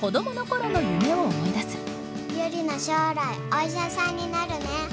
将来お医者さんになるね。